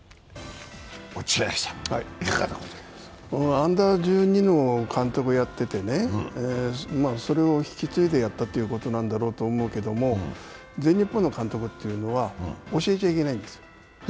Ｕ−１２の監督やっててね、それを引き継いでやったということなんだろうけど全日本の監督というのは教えちゃいけないんですよ。